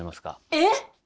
えっ？